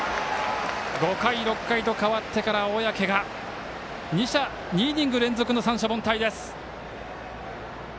５回、６回と代わってから小宅が２イニング連続の三者凡退。